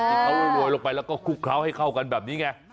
ที่เขาโรยลงไปแล้วก็คลุกเคล้าให้เข้ากันแบบนี้ไง